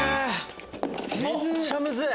めっちゃムズい。